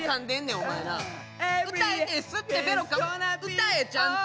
歌えちゃんと！